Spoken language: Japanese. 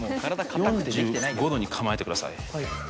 ４５度に構えてください